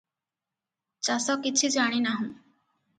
ଚାଷ କିଛି ଜାଣି ନାହୁଁ ।